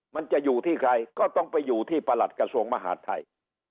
มันจะอยู่ที่ใครก็ต้องไปอยู่ที่ประหลัดกระทรวงมหาดไทย